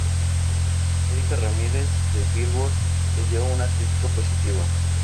Erika Ramírez de "Billboard" le dio una crítica positiva.